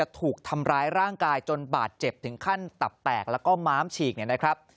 ถูกทำร้ายร่างกายจนบาดเจ็บถึงขั้นตับแตกแล้วก็ม้ามฉีก